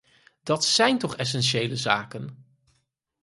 Dat zijn toch essentiële zaken?